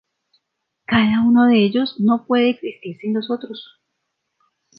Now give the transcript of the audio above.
Cada uno de ellos no puede existir sin los otros.